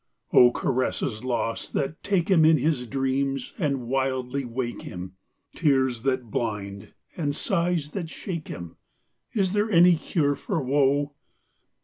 Oh, caresses lost that take him In his dreams and wildly wake him! Tears that blind and sighs that shake him, Is there any cure for woe?